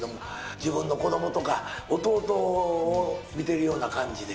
自分の子どもとか弟を見ているような感じで。